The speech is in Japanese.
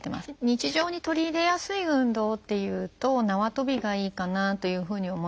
日常に取り入れやすい運動っていうとなわとびがいいかなというふうに思います。